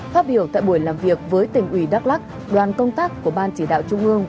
phát biểu tại buổi làm việc với tỉnh ủy đắk lắc đoàn công tác của ban chỉ đạo trung ương